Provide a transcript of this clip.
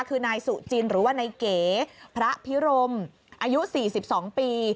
คือนายสุจินหรือว่านายเก๋พระพิรมอายุ๔๒ปี